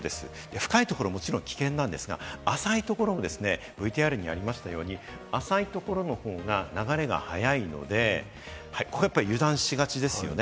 深いところはもちろん危険なんですが、浅いところ、ＶＴＲにもありましたように、浅いところの方が流れが速いので、油断しがちですよね。